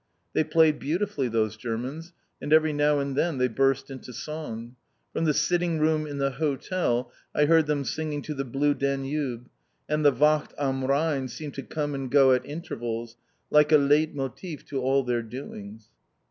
They played beautifully, those Germans, and every now and then they burst into song. From the sitting rooms in the Hotel I heard them singing to the "Blue Danube." And the "Wacht am Rhein" seemed to come and go at intervals, like a leitmotif to all their doings.